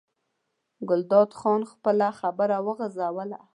ګلداد خان خپله خبره وغځوله.